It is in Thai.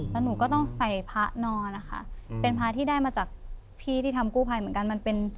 แล้วหนูก็ต้องใส่พระนอนนะคะเป็นพระที่ได้มาจากพี่ที่ทำกู้ภัยเหมือนกันมันเป็น